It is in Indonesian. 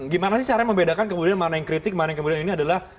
gimana sih caranya membedakan kemudian mana yang kritik mana yang kemudian ini adalah